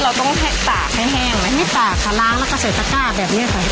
เราต้องตากให้แห้งไหมไม่ตากค่ะล้างแล้วก็เสร็จสกราบแบบนี้ให้ค่ะ